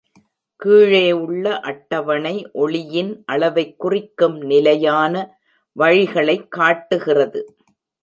கீழேயுள்ள அட்டவணை ஒளியின் அளவைக் குறிக்கும் நிலையான வழிகளைக் காட்டுகிறது.